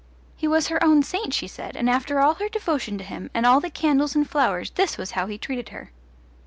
He was her own saint, she said, and after all her devotion to him, and all the candles and flowers, this was how he treated her!